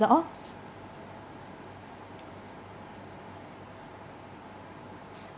hưởng ứng tuần lễ